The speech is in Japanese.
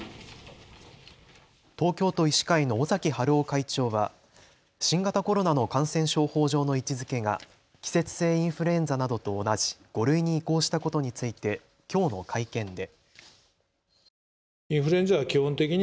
東京都医師会の尾崎治夫会長は新型コロナの感染症法上の位置づけが季節性インフルエンザなどと同じ５類に移行したことについてきょうの会見で。